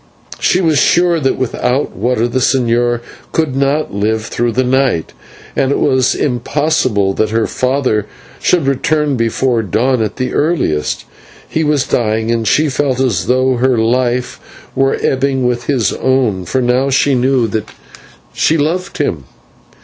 She was sure that without water the señor could not live through the night, and it was impossible that her father should return before dawn at the earliest. He was dying, and she felt as though her life were ebbing with his own, for now she knew that she loved him.